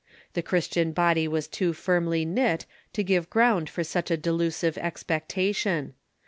The Christian body was too firmly knit to give ground for such a delusive expectation.